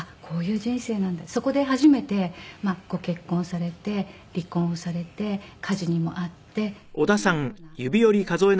そこで初めてご結婚をされて離婚されて火事にも遭ってっていうような。